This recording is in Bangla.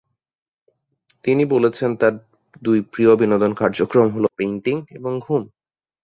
তিনি বলেছেন তার দুই প্রিয় বিনোদন কার্যক্রম হলো পেইন্টিং এবং ঘুম।